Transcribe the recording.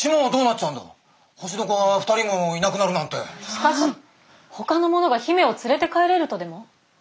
しかしほかの者が姫を連れて帰れるとでも？